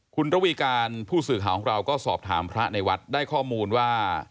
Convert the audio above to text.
คุณระวีการผู้สื่อข่าวของเราก็สอบถามพระในวัดได้ข้อมูลว่า